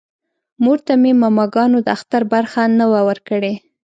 مور ته مې ماماګانو د اختر برخه نه وه ورکړې